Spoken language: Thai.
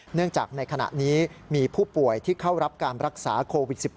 เนื่องจากในขณะนี้มีผู้ป่วยที่เข้ารับการรักษาโควิด๑๙